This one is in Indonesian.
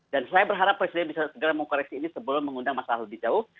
dan saya berharap presiden bisa segera mengkoreksi ini sebelum mengundang masalah lebih jauh